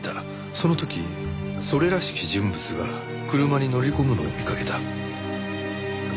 その時それらしき人物が車に乗り込むのを見かけた。